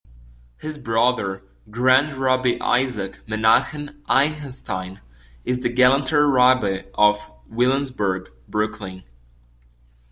His brother, Grand Rabbi Isaac Menachem Eichenstein, is the Galanter Rebbe of Williamsburg, Brooklyn.